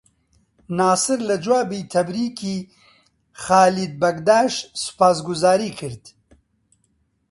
ناسر لە جوابی تەبریکی خالید بەکداش سوپاسگوزاری کرد